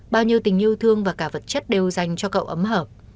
bao nhiêu tình yêu thương và cả vật chất đều dành cho cậu ấm hợp